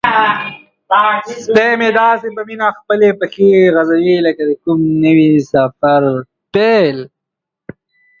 سپی مې داسې په مینه خپلې پښې غځوي لکه د کوم نوي سفر پیل.